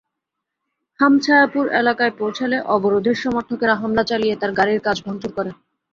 হামছায়াপুর এলাকায় পৌঁছালে অবরোধের সমর্থকেরা হামলা চালিয়ে তাঁর গাড়ির কাচ ভাঙচুর করে।